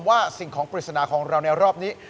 สิ่งของปริศนาของเราในรอบนี้